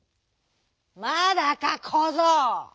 「まだかこぞう！」。